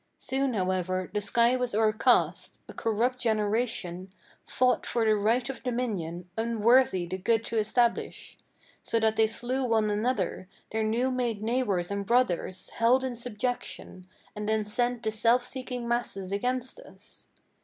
Soon, however, the sky was o'ercast. A corrupt generation Fought for the right of dominion, unworthy the good to establish; So that they slew one another, their new made neighbors and brothers Held in subjection, and then sent the self seeking masses against us.